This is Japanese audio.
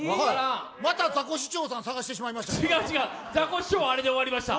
またザコシショウさん探してしまいましたね。